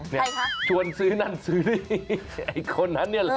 ใครคะชวนซื้อนั่นซื้อนี่ไอ้คนนั้นเนี่ยเหรอ